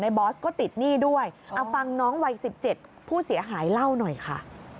เอาฟังน้องวัย๑๗ผู้เสียหายเล่าหน่อยค่ะ